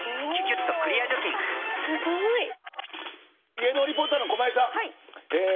芸能リポーターの駒井さん。